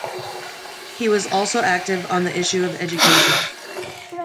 He was also active on the issue of education.